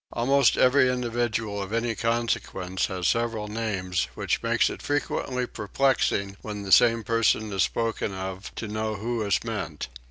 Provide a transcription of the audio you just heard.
Almost every individual of any consequence has several names which makes it frequently perplexing when the same person is spoken of to know who is meant.